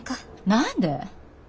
何で？